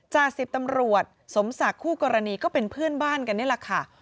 จาก๑๐ตำรวจสมศักดิ์คู่กรณีก็เป็นเพื่อนบ้านกันนี่แหละค่ะ